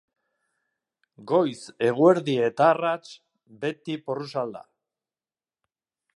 Goiz, eguerdi eta arrats, beti porrusalda.